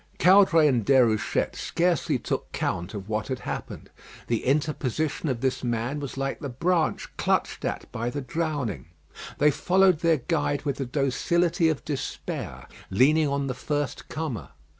Caudray and Déruchette scarcely took count of what had happened. The interposition of this man was like the branch clutched at by the drowning. They followed their guide with the docility of despair, leaning on the first comer.